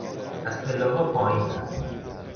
از پلهها پایین رفت.